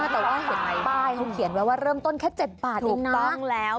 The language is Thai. แต่ว่าเห็นป้ายเขาเขียนไว้ว่าเริ่มต้นแค่๗บาทถูกต้องแล้ว